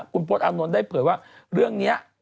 คุณพศอานนท์ได้เผยว่าเรื่องนี้